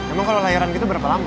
emang kalo lahiran gitu berapa lama